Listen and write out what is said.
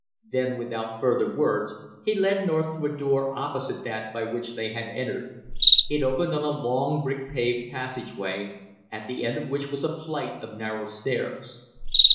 Then without further words he led North to a door opposite that by which they had entered. It opened on a long brick paved passageway, at the end of which was a flight of narrow stairs.